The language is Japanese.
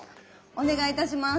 お願いいたします。